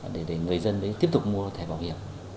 để người dân tiếp tục mua thẻ bảo hiểm